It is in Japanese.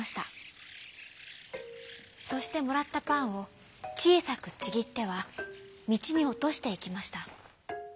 そしてもらったパンをちいさくちぎってはみちにおとしていきました。